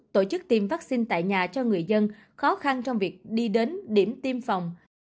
tổ chức tiêm vaccine tại nhà cho người dân khó khăn trong việc đi đến điểm tiêm phòng